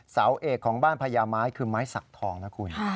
เสาเอกของบ้านพญาไม้คือไม้สักทองนะคุณ